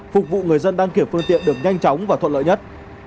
phục vụ người dân đăng kiểm phương tiện được nhanh chóng và thuận lợi nhất